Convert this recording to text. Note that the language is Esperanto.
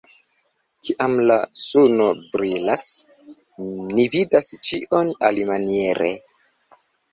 Kiam la suno brilas, ni vidas ĉion alimaniere.